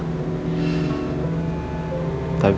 papa ingin merubah itu ma